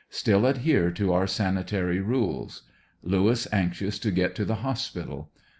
Still adhere to our sanitary rules. Lewis anxious to get to the hospital.